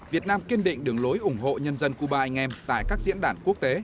việt nam kiên định đường lối ủng hộ nhân dân cuba anh em tại các diễn đàn quốc tế